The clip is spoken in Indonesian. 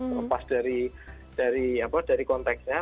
terlepas dari konteksnya